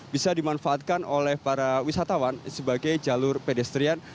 bisa dimanfaatkan oleh para wisatawan sebagai jalur pedestrian